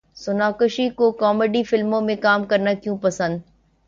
سوناکشی کو کامیڈی فلموں میں کام کرنا کیوں پسند